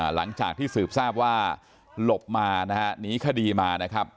หลังจากที่สืบทราบว่าหลบมานะฮะหนีคดีมานะครับ